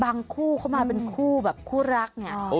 บางคู่เขามาเป็นคู่แบบคู่รักอย่างนี้